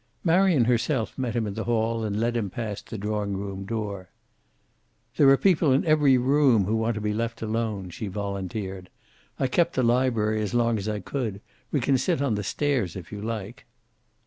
Marion herself met him in the hall, and led him past the drawing room door. "There are people in every room who want to be left alone," she volunteered. "I kept the library as long as I could. We can sit on the stairs, if you like."